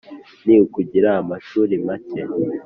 Ni ukugira amashuri make